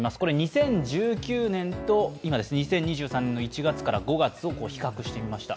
２０１９年と今、２０２３年の１月から５月を比較してみました。